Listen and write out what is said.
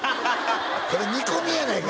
「これ煮込みやないか！」